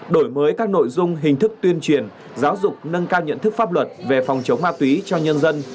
đổi mới các nội dung hình thức tuyên truyền giáo dục nâng cao nhận thức pháp luật về phòng chống ma túy cho nhân dân